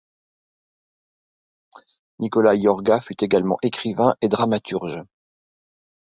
Nicolas Iorga fut également écrivain et dramaturge.